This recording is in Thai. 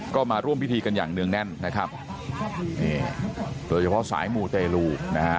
ก็มาร่วมพิธีกันอย่างเนื่องแน่นนะครับนี่โดยเฉพาะสายมูเตลูนะฮะ